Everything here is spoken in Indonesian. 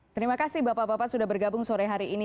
terima kasih bapak bapak sudah bergabung sore hari ini